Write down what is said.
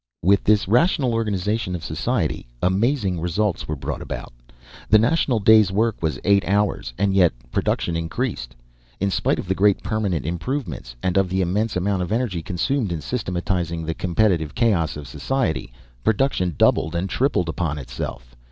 With this rational organization of society amazing results were brought about. The national day's work was eight hours, and yet production increased. In spite of the great permanent improvements and of the immense amount of energy consumed in systematizing the competitive chaos of society, production doubled and tripled upon itself.